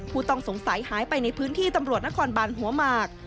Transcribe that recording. ผู้ต้องสงสัยหายไปในพื้นที่ตำรวจนครบานหัวหมาก